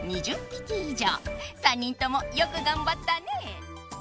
３にんともよくがんばったね！